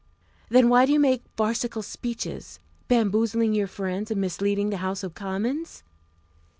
"Then why do you make farcical speeches, bamboozling your friends and misleading the House of Commons?"